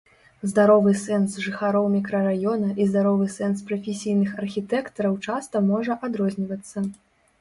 Здаровы сэнс жыхароў мікрараёна і здаровы сэнс прафесійных архітэктараў часта можа адрознівацца.